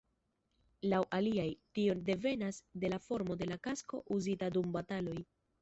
Laŭ aliaj, tio devenas de la formo de la kasko uzita dum bataloj.